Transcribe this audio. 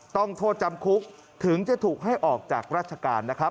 โทษจำคุกถึงจะถูกให้ออกจากราชการนะครับ